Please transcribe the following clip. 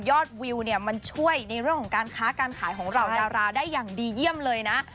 วิวเนี่ยมันช่วยในเรื่องของการค้าการขายของเหล่าดาราได้อย่างดีเยี่ยมเลยนะ